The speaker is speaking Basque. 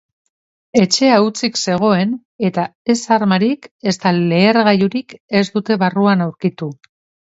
Etxea hutsik zegoen eta ez armarik ezta lehergailurik ez dute barruan aurkitu.